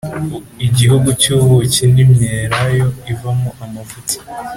igihugu cy’ubuki n’imyelayo ivamo amavuta,